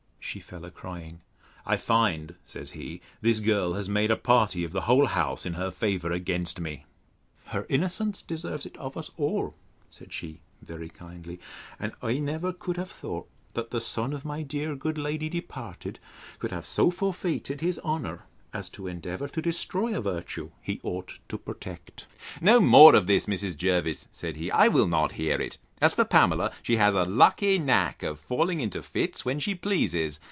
She fell a crying. I find, says he, this girl has made a party of the whole house in her favour against me. Her innocence deserves it of us all, said she very kindly: and I never could have thought that the son of my dear good lady departed, could have so forfeited his honour, as to endeavour to destroy a virtue he ought to protect. No more of this, Mrs. Jervis! said he; I will not hear it. As for Pamela, she has a lucky knack of falling into fits, when she pleases.